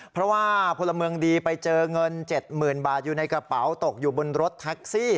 เพราะว่าพลเมืองดีไปเจอเงิน๗๐๐๐บาทอยู่ในกระเป๋าตกอยู่บนรถแท็กซี่